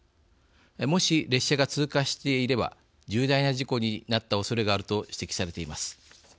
もし、列車が通過していれば重大な事故になったおそれがあると指摘されています。